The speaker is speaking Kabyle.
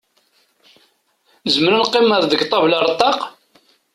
Nezmzer ad neqqim deg ṭabla ar ṭaq?